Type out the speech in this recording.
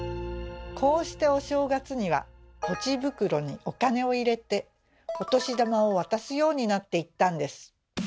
こうしてお正月にはぽち袋にお金を入れてお年玉を渡すようになっていったんです。